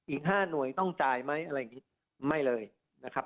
อีก๕หน่วยต้องจ่ายไหมอีกไม่เลยนะครับ